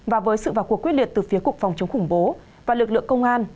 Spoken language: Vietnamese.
và với sự vào cuộc quyết liệt từ phía cục phòng chống khủng bố và lực lượng công an